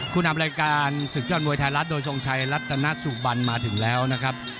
นำรายการศึกยอดมวยไทยรัฐโดยทรงชัยรัตนสุบันมาถึงแล้วนะครับ